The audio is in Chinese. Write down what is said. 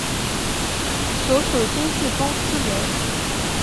所属经纪公司为。